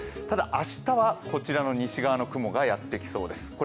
ただ、明日はこちらの西側の雲がやって来そうです。